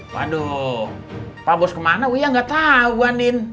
waduh pak bos kemana uya nggak tahu bu andin